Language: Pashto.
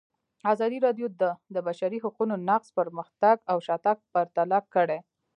ازادي راډیو د د بشري حقونو نقض پرمختګ او شاتګ پرتله کړی.